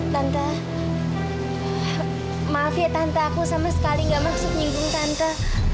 tante maaf ya tante aku sama sekali gak maksud nyinggung tante